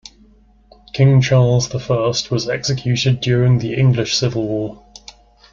King Charles the First was executed during the English Civil War